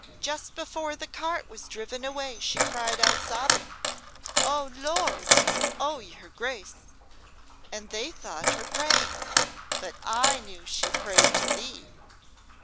Just before the cart was driven away she cried out sobbing, 'Oh, Lord! Oh, your Grace!' and they thought her praying, but I knew she prayed to thee."